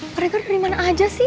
pak regar dari mana aja sih